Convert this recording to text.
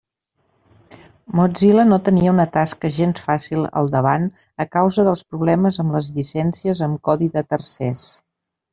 Mozilla no tenia una tasca gens fàcil al davant a causa dels problemes amb les llicències amb codi de tercers.